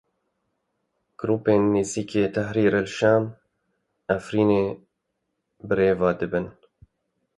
Grûpên nêzîkî Tehrîr el Şam Efrînê birêve dibin.